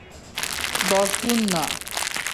দশ গুণ না।